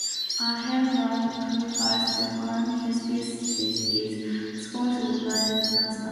A herdsman who fails to crown his beasts is scolded by his master.